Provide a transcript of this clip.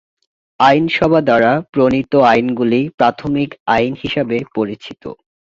আইনসভা দ্বারা প্রণীত আইনগুলি প্রাথমিক আইন হিসাবে পরিচিত।